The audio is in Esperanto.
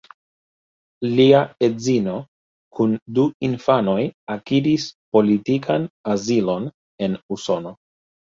Lia edzino kun du infanoj akiris politikan azilon en Usono.